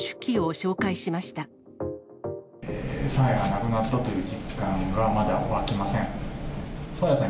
爽彩が亡くなったという実感がまだ湧きません。